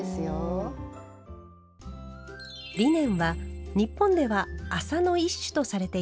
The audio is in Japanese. リネンは日本では「麻」の１種とされています。